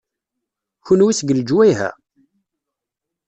Kenwi seg lejwayeh-a?